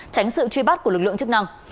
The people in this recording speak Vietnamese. tránh sự truy bắt của lực lượng chức năng